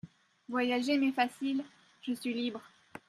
Voyager m'est facile … je suis libre.